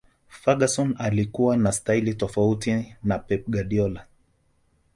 ferguson alikuwa na staili tofauti na Pe Guardiola